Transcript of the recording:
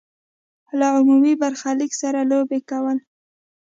له عمومي برخلیک سره لوبې کول.